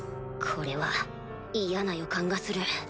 これは嫌な予感がする。